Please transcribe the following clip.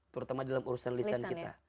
terutama dalam urusan lisan kita